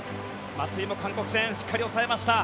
松井も韓国戦しっかり抑えました。